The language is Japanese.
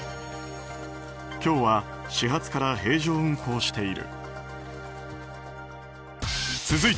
今日は始発から平常運行している。